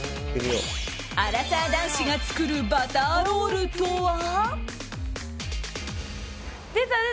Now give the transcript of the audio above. アラサー男子が作るバターロールとは？